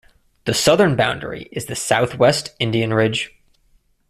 The southern boundary is the Southwest Indian Ridge.